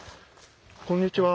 こんにちは。